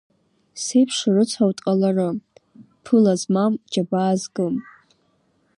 Сеиԥш ирыцҳау дҟыларым, ԥыла змам џьабаа згым.